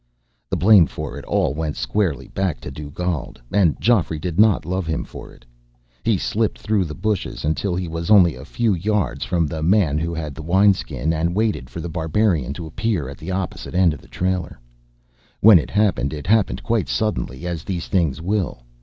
The blame for it all went squarely back to Dugald, and Geoffrey did not love him for it. He slipped through the bushes until he was only a few yards from the man who had the wineskin, and waited for The Barbarian to appear at the opposite end of the trailer. When it happened, it happened quite suddenly, as these things will.